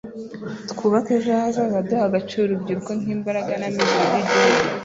’Twubake ejo hazaza duha agaciro urubyiruko nk’imbaraga n’amizero by’igihugu